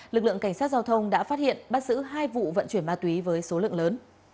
lực lượng cảnh sát giao thông đã phát hiện bắt giữ hai vụ vận chuyển ma túy với số lượng lớn